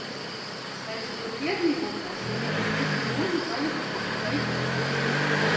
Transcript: Taču tur piedzīvotais viņam uz visu mūžu palika kā skaists sapnis.